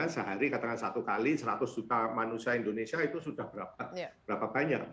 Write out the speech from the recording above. sehari katakan satu kali seratus juta manusia indonesia itu sudah berapa banyak